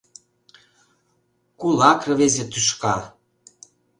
Кулак рвезе тӱшка.